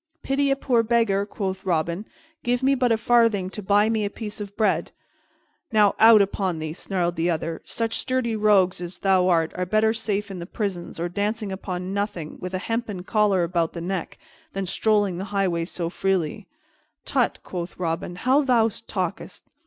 "Pity a poor beggar," quoth Robin. "Give me but a farthing to buy me a piece of bread." "Now, out upon thee!" snarled the other. "Such sturdy rogues as thou art are better safe in the prisons or dancing upon nothing, with a hempen collar about the neck, than strolling the highways so freely." "Tut," quoth Robin, "how thou talkest!